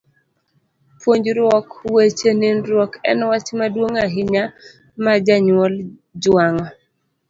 Puonjruok weche nindruok en wach maduong' ahinya ma jonyuol jwang'o.